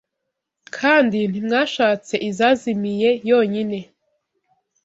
kandi ntimwashatse izazimiye yonyine